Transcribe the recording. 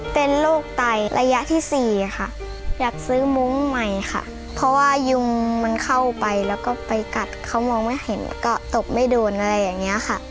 เพราะว่ายุ่งมันเข้าไปแล้วก็ไปกัดเค้ามองไม่เห็นก็ตบไม่โดนอะไรอย่างนี้ค่ะ